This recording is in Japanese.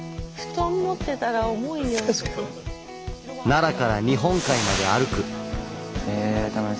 奈良から日本海まで歩く！へ楽しそう。